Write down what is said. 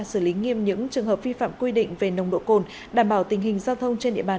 xử lý nghiêm những trường hợp vi phạm quy định về nồng độ cồn đảm bảo tình hình giao thông trên địa bàn